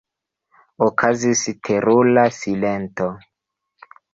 Okazis terura silento.